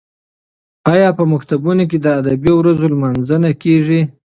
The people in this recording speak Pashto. ایا په مکتبونو کې د ادبي ورځو لمانځنه کیږي؟